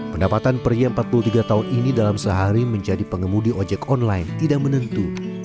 pendapatan pria empat puluh tiga tahun ini dalam sehari menjadi pengemudi ojek online tidak menentu